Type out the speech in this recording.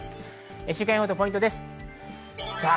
週間予報とポイントです。